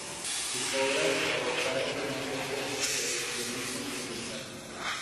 Sus obras adoptaron un cierto expresionismo experimental.